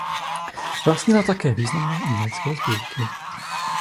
Vlastnila také významné umělecké sbírky.